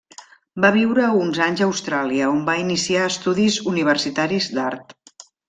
Va viure uns anys a Austràlia on va iniciar estudis universitaris d'art.